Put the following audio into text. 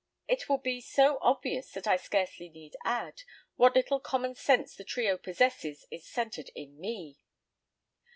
It will be so obvious that I scarcely need add: What little common sense the trio possesses is centred in ME.